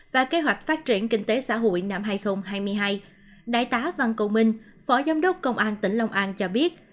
và kế hoạch phát triển kinh tế xã hội năm hai nghìn hai mươi hai đại tá văn công minh phó giám đốc công an tỉnh long an cho biết